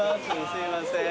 すいません。